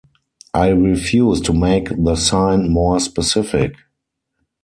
I refuse to make the sign more specific.